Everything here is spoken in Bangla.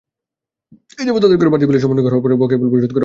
এযাবৎ আদায় করা বাড়তি বিলের সমন্বয় হওয়ার পরে বকেয়া বিল পরিশোধ করব।